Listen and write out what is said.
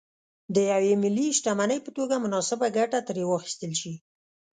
د یوې ملي شتمنۍ په توګه مناسبه ګټه ترې واخیستل شي.